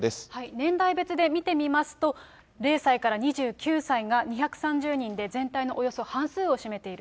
年代別で見てみますと、０歳から２９歳が２３０人で全体のおよそ半数を占めている。